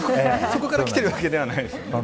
そこからきてるわけではないですよね。